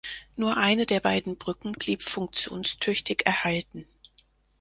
Nur eine der beiden Brücken blieb funktionstüchtig erhalten.